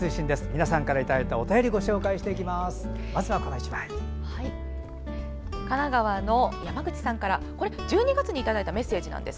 皆さんからいただいたお便りご紹介していきます。